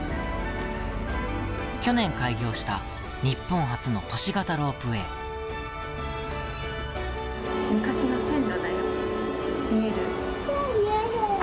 去年開業した日本初の都市型ロープウェイ。見える！